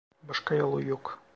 Başka yolu yok.